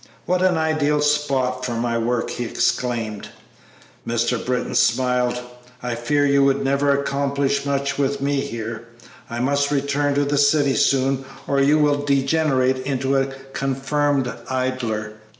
"What an ideal spot for my work!" he exclaimed. Mr. Britton smiled. "I fear you would never accomplish much with me here. I must return to the city soon, or you will degenerate into a confirmed idler."